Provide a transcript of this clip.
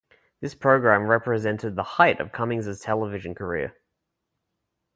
This program represented the height of Cummings' television career.